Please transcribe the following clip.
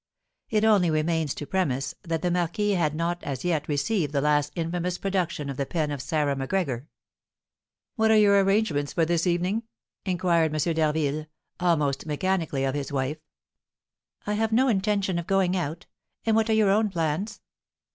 It only remains to premise that the marquis had not as yet received the last infamous production of the pen of Sarah Macgregor. "What are your arrangements for this evening?" inquired M. d'Harville, almost mechanically, of his wife. "I have no intention of going out. And what are your own plans?"